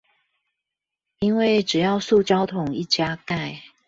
因為只要塑膠桶一加蓋